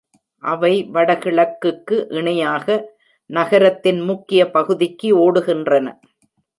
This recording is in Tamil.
அவை வடகிழக்குக்கு இணையாக, நகரத்தின் முக்கிய பகுதிக்கு ஓடுகின்றன.